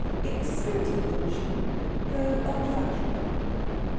It was a spirited little machine, though old fashioned.